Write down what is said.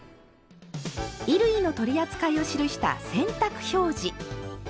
衣類の取り扱いを記した「洗濯表示」。